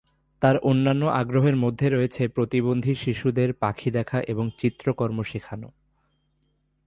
তার অন্যান্য আগ্রহের মধ্যে রয়েছে প্রতিবন্ধী শিশুদের পাখি দেখা এবং চিত্রকর্ম শেখানো।